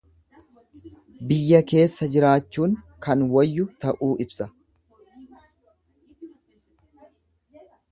Biyya keessa jiraachuun kan wayyu ta'u ibsa.